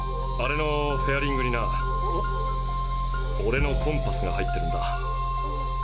あれのフェアリングになオレのコンパスが入ってるんだ。